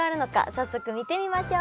早速見てみましょう。